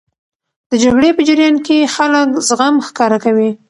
د جګړې په جریان کې خلک زغم ښکاره کوي.